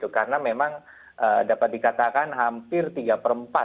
karena memang dapat dikatakan hampir tiga per empat